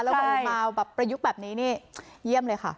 แล้วก็มาแบบประยุกต์แบบนี้นี่เยี่ยมเลยค่ะ